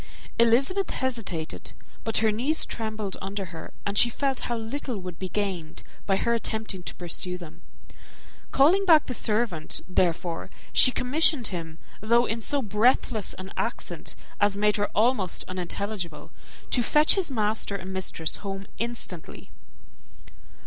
Elizabeth hesitated; but her knees trembled under her, and she felt how little would be gained by her attempting to pursue them. Calling back the servant, therefore, she commissioned him, though in so breathless an accent as made her almost unintelligible, to fetch his master and mistress home instantly.